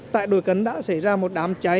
tại đồi cấn đã xảy ra một đám cháy